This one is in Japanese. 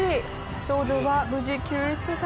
少女は無事救出されました。